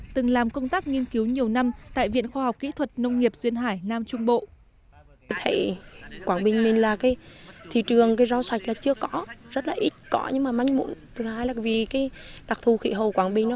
từng làm công tác nghiên cứu nhiều năm tại viện khoa học kỹ thuật nông nghiệp duyên hải nam trung bộ